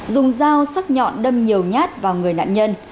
dùng dao sắc nhọn đâm nhiều nhát vào người nạn nhân